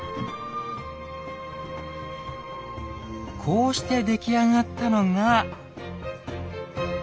こうして出来上がったのが。